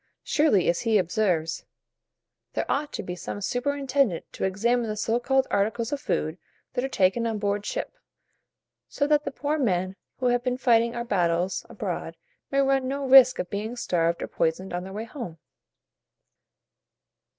Surely, as he observes, there ought to be some superintendent to examine the so called articles of food that are taken on board ship, so that the poor men who have been fighting our battles abroad may run no risk of being starved or poisoned on their way home.